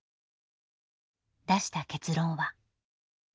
出した結論は。